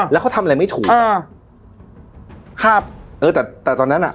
แล้วเขาทำอะไรไม่ถูกอ่าครับเออแต่แต่ตอนนั้นอ่ะ